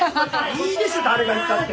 いいでしょ誰が言ったって！